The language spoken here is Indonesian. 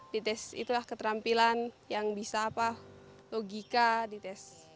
dites itulah keterampilan yang bisa apa logika dites